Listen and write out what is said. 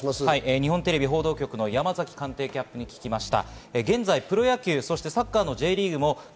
日本テレビ報道局の山崎官邸キャップに聞きました。